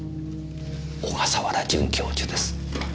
小笠原准教授です。